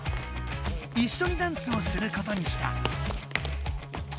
いっしょにダンスをすることにした。